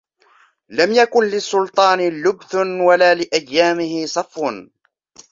لَمْ يَكُنْ لِلسُّلْطَانِ لُبْثٌ وَلَا لِأَيَّامِهِ صَفْوٌ